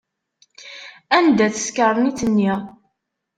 Anda-tt tkarnit-nni?